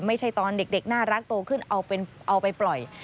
ไม่ใช่ตอนเด็กน่ารักโตขึ้นเอาไปปล่อย